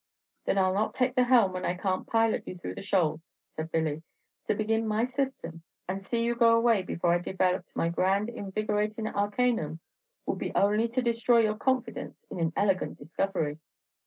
"Then I'll not take the helm when I can't pilot you through the shoals," said Billy. "To begin my system, and see you go away before I developed my grand invigoratin' arcanum, would be only to destroy your confidence in an elegant discovery."